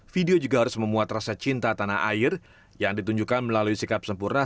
video juga harus memuat rasa cinta tanah air yang ditunjukkan melalui sikap sempurna